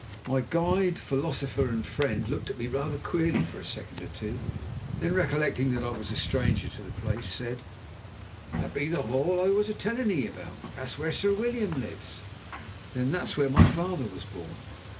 My guide, philosopher, and friend looked at me rather queerly for a second or two, and then recollecting that I was a stranger to the place, said: "That be the Hall I was telling 'ee about. That's where Sir William lives!" "Then that's where my father was born?"